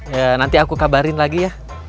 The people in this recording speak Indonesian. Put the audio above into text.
ya nanti aku kabarin lagi ya